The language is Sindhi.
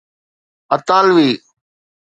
اطالوي